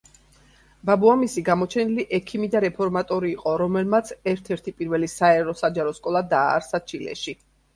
ბაბუამისი გამოჩენილი ექიმი და რეფორმატორი იყო, რომელმაც ერთ-ერთი პირველი საერო საჯარო სკოლა დააარსა ჩილეში.